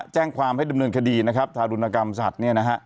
แจ้งความให้ดำเนินคดีธารุณกรรมสัตว์